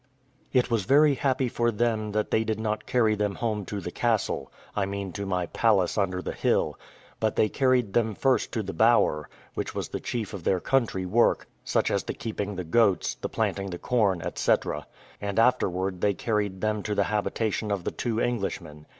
It was very happy for them that they did not carry them home to the castle, I mean to my palace under the hill; but they carried them first to the bower, where was the chief of their country work, such as the keeping the goats, the planting the corn, &c. and afterward they carried them to the habitation of the two Englishmen.